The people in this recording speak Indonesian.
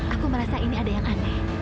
aku merasa ini ada yang aneh